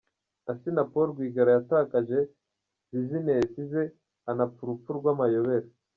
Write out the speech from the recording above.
Assinapol Rwigara yatakaje buzinesi ze anapfa urupfu rwamayobera.